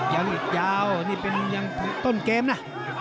ยังอิดยาวต้นเกมนะ